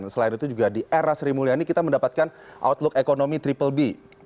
selain itu juga di era sri mulyani kita mendapatkan outlook ekonomi triple b